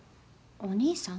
お兄さん？